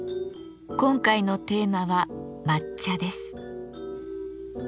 今回のテーマは「抹茶」です。